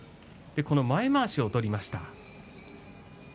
前まわしを取りました。